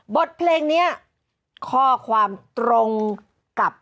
บทเพลงนี้ข้อความตรงกับ